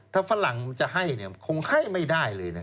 ถ้าฝรั่งจะให้คงให้ไม่ได้เลย